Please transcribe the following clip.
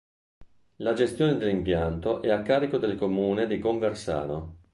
La gestione dell'impianto è a carico del Comune di Conversano.